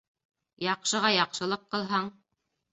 Яҡшыға яҡшылыҡ ҡылһаң